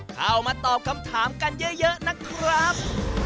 เข้ามาตอบคำถามกันเยอะนะครับ